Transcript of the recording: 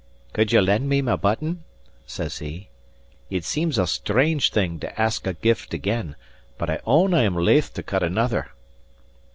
"Could ye lend me my button?" says he. "It seems a strange thing to ask a gift again, but I own I am laith to cut another."